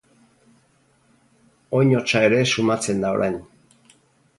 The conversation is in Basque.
Oin hotsa ere sumatzen da orain.